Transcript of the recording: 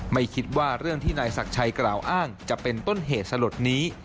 ไม่คิดว่าเรื่องที่นายศักดิ์ชัยกล่าวอ้างจะเป็นต้นเหตุสลดนี้